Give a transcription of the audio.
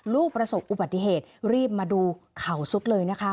ประสบอุบัติเหตุรีบมาดูเข่าสุดเลยนะคะ